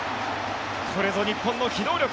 これぞ日本の機動力。